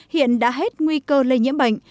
hiện đã hết nguy cơ lây nhiễm bệnh